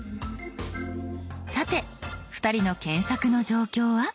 さて２人の検索の状況は。